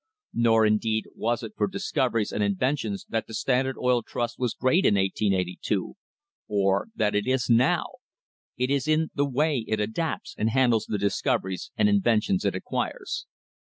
Nor indeed was it for dis coveries and inventions that the Standard Oil Trust was great in 1882, or that it is now it is in the way it adapts and handles the discoveries and inventions it acquires.